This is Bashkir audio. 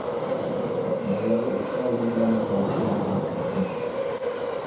Баяғы уҫал еңгәнең тауышы яңғырап китте: